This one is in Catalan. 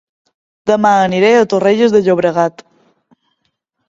Dema aniré a Torrelles de Llobregat